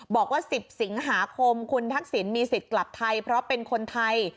บอกว่า๑๐สิงหาคมคุณทักษิณมีสิทธิ์กลับไทยเพราะเป็นคนไทย